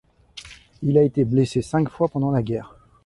Il a été blessé cinq fois pendant la guerre.